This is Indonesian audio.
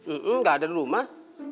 eee gak ada di rumah